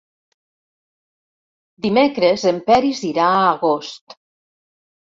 Dimecres en Peris irà a Agost.